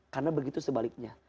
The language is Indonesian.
karena begitu sebaliknya